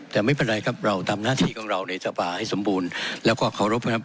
แต่ไม่เป็นไรครับเราทำหน้าที่ของเราในสภาให้สมบูรณ์แล้วก็เคารพนะครับ